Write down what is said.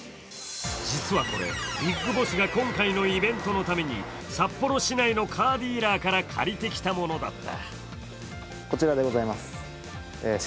実はこれ、ビッグボスが今回のイベントのために札幌市内のカーディーラーから借りてきたものだった。